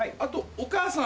お母さん！